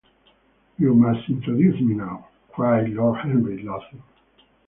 "You must introduce me now," cried Lord Henry, laughing.